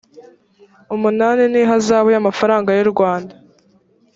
umunani n ihazabu y amafaranga y urwanda